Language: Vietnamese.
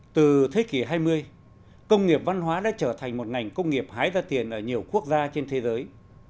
từ thế kỷ hai mươi công nghiệp văn hóa đã trở thành một ngành công nghiệp hái ra tiền ở nhiều quốc gia trên thế giới